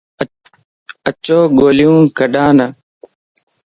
اچو گوليو ڪڏا ن